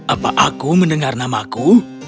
apa aku mendengar namaku